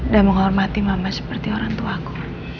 dan menghormati mama seperti orangtuaku